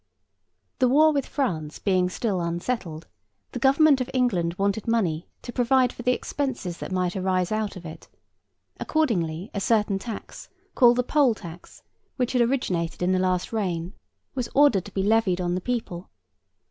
The war with France being still unsettled, the Government of England wanted money to provide for the expenses that might arise out of it; accordingly a certain tax, called the Poll tax, which had originated in the last reign, was ordered to be levied on the people.